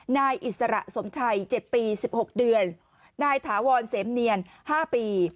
นายอิสระสมชัย๗ปี๑๖เดือนนายถาวรเสมเนียน๕ปี